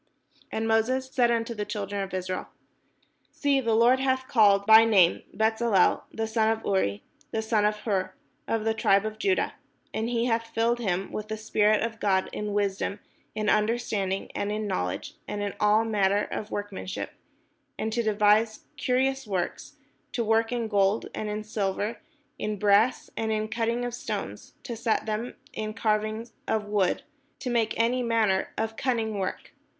And Moses said unto the children of Israel: "See, the Lord hath called by name Bezaleel the son of Uri, the son of Hur, of the tribe of Judah ; and he hath filled him with the spirit of God, in wisdom, in understanding, and in knowledge, and in all manner of workmanship ; and to de\ise curious works, to work in gold, and in silver, and in brass, and in the cutting of stones, to set them, and in carving of wood, to make any manner of cunning work.